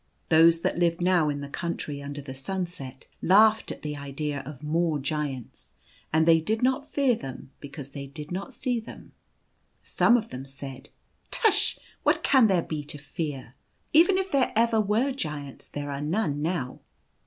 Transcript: Those who lived now in the Country Under the Sunset laughed at the idea of more Giants, and they did not fear them because they did not see them. Some of them said, " Tush ! what can there be to fear ? Even if there ever were giants there are none now."